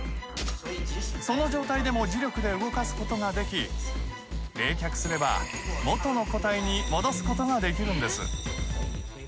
その状態でも磁力で動かすことができ冷却すれば元の固体に戻すことができるんです。